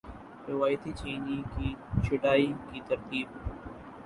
روایتی چینی کی چھٹائی کی ترتیب